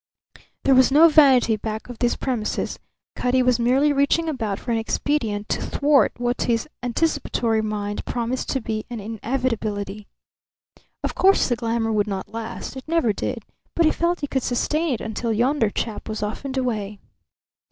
There was no vanity back of these premises. Cutty was merely reaching about for an expedient to thwart what to his anticipatory mind promised to be an inevitability. Of course the glamour would not last; it never did, but he felt he could sustain it until yonder chap was off and away.